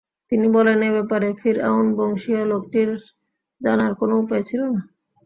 তিনি বলেন, এ ব্যাপারে ফিরআউন বংশীয় লোকটির জানার কোন উপায়ই ছিল না।